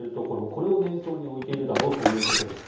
これを念頭に置いているだろうということです。